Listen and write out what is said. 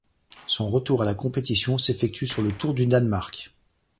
Son retour à la compétition s'effectue sur le Tour du Danemark.